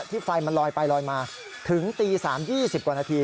ไฟมันลอยไปลอยมาถึงตี๓๒๐กว่านาที